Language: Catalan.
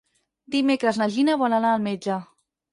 Dimecres na Gina vol anar al metge.